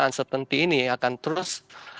uncertainty ini akan terus